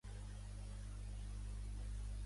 Poden ser de pesca o belles.